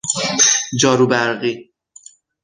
جاروبرقی